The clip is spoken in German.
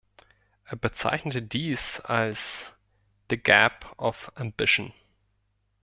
Er bezeichnete dies als the gap of ambition.